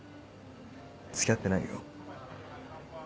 付き合ってないよ。